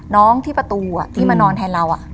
น้องที่ประตูที่มานอนแทนเรา